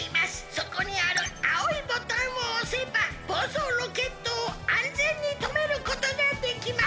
そこにあるあおいボタンをおせばぼうそうロケットをあんぜんにとめることができます！」。